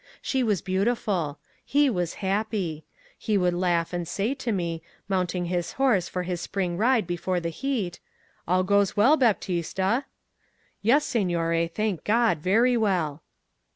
She was beautiful. He was happy. He would laugh and say to me, mounting his horse for his morning ride before the heat: 'All goes well, Baptista!' 'Yes, signore, thank God, very well.